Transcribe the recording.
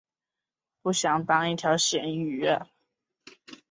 中国载人航天工程各大系统分别设有总指挥和总设计师。